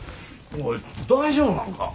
おい大丈夫なんか？